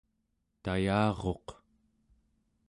tayaruq²